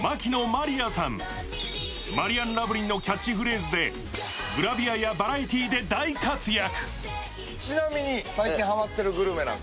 まりあんラブリンのキャッチフレーズでグラビアやバラエティーで大活躍。